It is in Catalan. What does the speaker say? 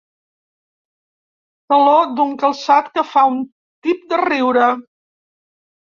Taló d'un calçat que fa un tip de riure.